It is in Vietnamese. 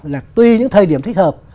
là tuy những thời điểm thích hợp